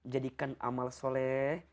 jadikan amal soleh